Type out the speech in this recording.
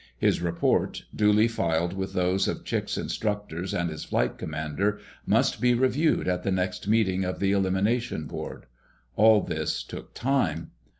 His report, duly filed with those of Chick's instructors and his Flight Commander, must be reviewed at the next meeting of the elimination board. All this took time.